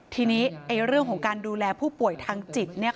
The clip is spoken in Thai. ทีนี้เรื่องของการดูแลผู้ป่วยทางจิตเนี่ย